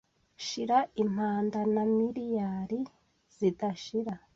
Shira impanda na miriyari zidashira